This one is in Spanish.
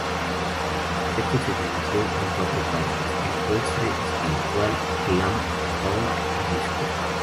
El concierto se dividió en cuatro partes: Ecuestre, Espiritual, "Glam"-"Punk" y Disco.